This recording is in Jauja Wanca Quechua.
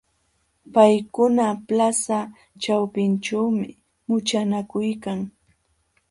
Paykuna plaza ćhawpinćhuumi muchanakuykan.